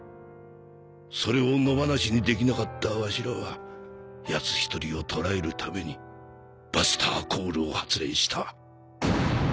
それを野放しにできなかったわしらはやつ一人を捕らえるためにバスターコールを発令した。